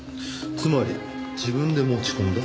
つまり自分で持ち込んだ。